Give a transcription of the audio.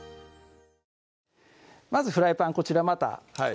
まずフライパンこちらまた